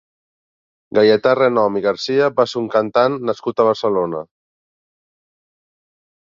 Gaietà Renom i Garcia va ser un cantant nascut a Barcelona.